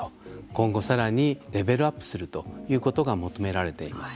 今後さらにレベルアップするということが求められています。